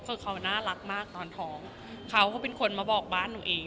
คือเขาน่ารักมากตอนท้องเขาก็เป็นคนมาบอกบ้านหนูเอง